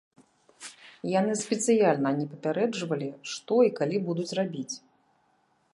Яны спецыяльна не папярэджвалі, што і калі будуць рабіць.